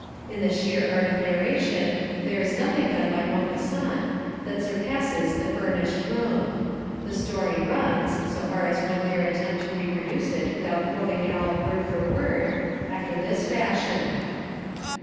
In the sheer art of narration there is nothing done by Maupassant that surpasses The Furnished Room. The story runs, — so far as one dare attempt to reproduce it without quoting it all word for word, — after this fashion.